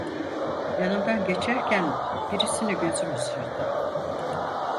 Yanımdan geçerken birisini gözüm ısırdı.